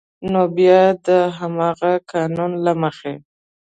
نو بیا د همغه قانون له مخې